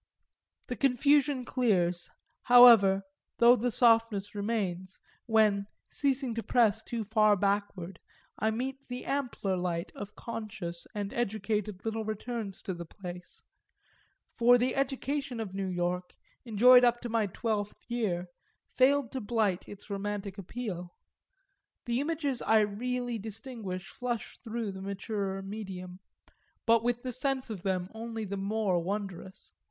The confusion clears, however, though the softness remains, when, ceasing to press too far backward, I meet the ampler light of conscious and educated little returns to the place; for the education of New York, enjoyed up to my twelfth year, failed to blight its romantic appeal. The images I really distinguish flush through the maturer medium, but with the sense of them only the more wondrous.